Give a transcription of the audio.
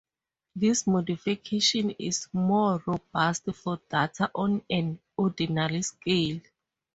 This modification is more robust for data on an ordinal scale.